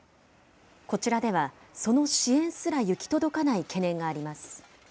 こちらではその支援すら行き届かない懸念があります。